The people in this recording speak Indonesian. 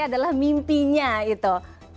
adalah mimpinya gitu